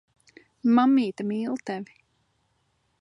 Mammīte mīl tevi.